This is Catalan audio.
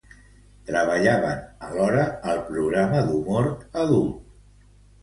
Treballaven alhora al programa d'humor adult.